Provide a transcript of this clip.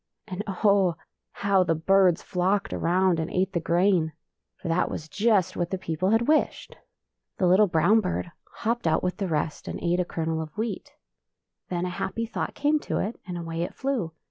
And oh! how the birds flocked around and ate the grain — for that was just what the people had wished. [ 29 ] FAVORITE FAIRY TALES RETOLD The little brown bird hopped out with the rest, and ate a kernel of wheat. Then a happy thought came to it, and away it flew.